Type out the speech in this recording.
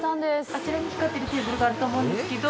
あちらに光ってるテーブルがあると思うんですけど。